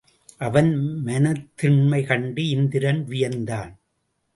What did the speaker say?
அவன் மனத்திண்மை கண்டு இந்திரன் வியந்தான்.